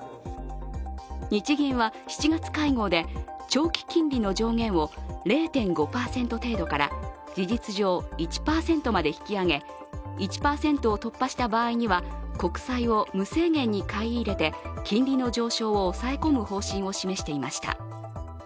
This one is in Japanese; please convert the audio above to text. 日銀は７月会合で長期金利の上限を０．５％程度から事実上１％まで引き上げ１％を突破した場合には国債を無制限買い入れて、金利の上昇を抑え込む方針を示していました。